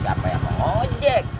siapa yang mau ngojek